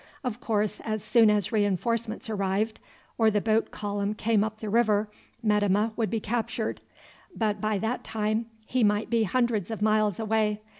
Of course as soon as reinforcements arrived, or the boat column came up the river, Metemmeh would be captured; but by that time he might be hundreds of miles away.